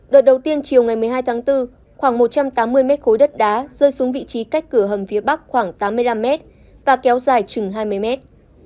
đợt đầu tiên chiều ngày một mươi hai tháng bốn khoảng một trăm tám mươi mét khối đất đá rơi xuống vị trí cách cửa hầm phía bắc khoảng tám mươi năm mét và kéo dài chừng hai mươi mét